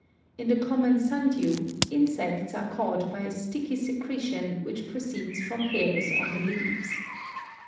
In the common sundew insects are caught by a sticky secretion which proceeds from hairs on the leaves.